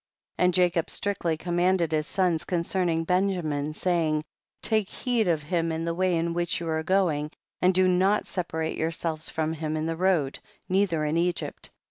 25. And Jacob strictly command ed his sons concerning Benjamin, saying, take heed of him in the way in which you are going, and do not separate yourselves from him in the road, neither in Egypt.